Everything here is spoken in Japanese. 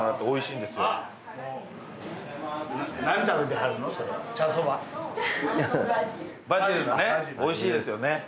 おいしいですよね。